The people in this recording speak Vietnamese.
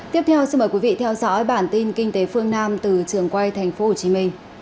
tiếp theo xin mời quý vị theo dõi bản tin kinh tế phương nam từ trường quay tp hcm